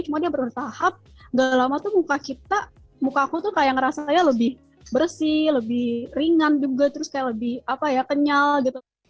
cuma dia bertahap gak lama tuh muka cipta muka aku tuh kayak ngerasanya lebih bersih lebih ringan juga terus kayak lebih kenyal gitu